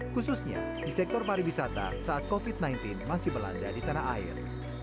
khususnya di sektor pariwisata saat covid sembilan belas masih melanda di tanah air